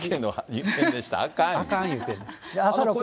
あかんいうてんねん。